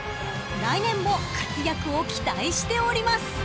来年も活躍を期待しております］